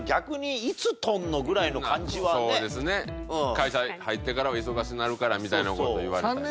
会社入ってからは忙しなるからみたいな事言われたり。